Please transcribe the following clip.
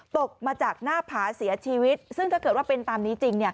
ตกมาจากหน้าผาเสียชีวิตซึ่งถ้าเกิดว่าเป็นตามนี้จริง